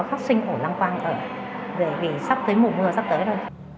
họ sinh hồn lăng quan ở vì sắp tới mùa mưa sắp tới rồi